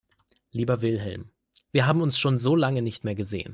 Lieber Wilhelm, wir haben uns schon so lange nicht mehr gesehen.